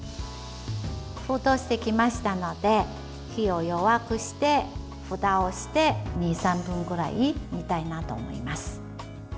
沸騰してきましたので火を弱くしてふたをして２３分くらい煮たいなと思います。